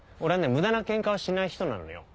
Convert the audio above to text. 無駄なケンカはしない人なのよ。